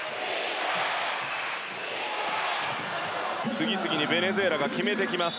次々にベネズエラが決めてきます。